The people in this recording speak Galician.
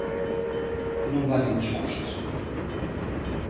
Non valen escusas!